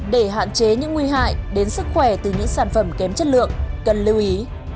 để hạn chế những nguy hại đến sức khỏe từ những sản phẩm kém chất lượng cần lưu ý